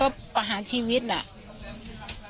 ร้วม